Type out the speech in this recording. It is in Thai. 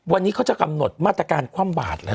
วันนี้เขาจะกำหนดมาตรการคว่ำบาดแล้ว